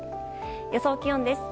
予想気温です。